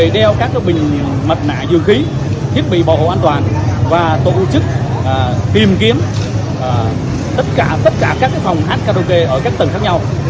đeo các bình mặt nạ dường khí thiết bị bảo hộ an toàn và tổ chức tìm kiếm tất cả các phòng hát karaoke ở các tầng khác nhau